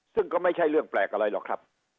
ซึ่งก็ไม่ใช่เรื่องแปลกอะไรหรอกครับ